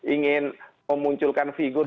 ingin memunculkan figur